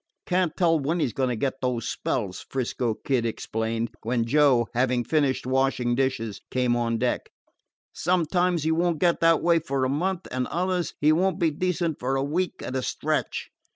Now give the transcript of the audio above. "Can't tell when he 's going to get those spells," 'Frisco Kid explained, when Joe, having finished washing dishes, came on deck. "Sometimes he won't get that way for a month, and others he won't be decent for a week at a stretch.